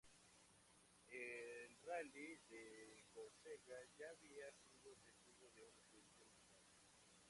El Rally de Córcega ya había sido testigo de un accidente mortal.